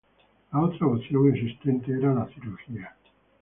La otra opción existente era la cirugía.